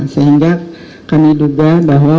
sehingga kami duga bahwa